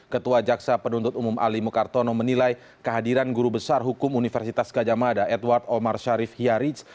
ketua jaksa penuntut umum ali mukartono menilai kehadiran guru besar hukum universitas gajah mada edward omar sharif hiarij